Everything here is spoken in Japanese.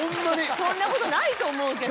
そんなことないと思うけど。